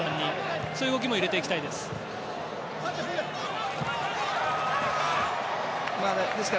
そういう動きも入れていきたいです。